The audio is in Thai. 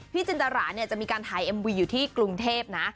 จินตราเนี่ยจะมีการถ่ายเอ็มวีอยู่ที่กรุงเทพนะ